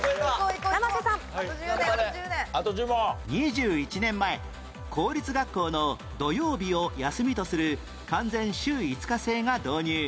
２１年前公立学校の土曜日を休みとする完全週５日制が導入